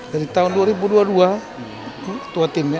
dari tahun dua ribu dua puluh dua ketua timnya